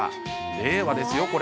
令和ですよ？